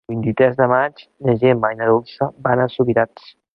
El vint-i-tres de maig na Gemma i na Dolça van a Subirats.